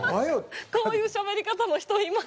こういうしゃべり方の人いますね。